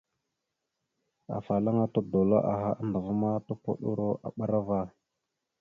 Afalaŋa todoláaha andəva ma, topoɗoro a bəra ava.